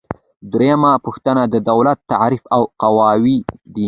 دریمه پوښتنه د دولت تعریف او قواوې دي.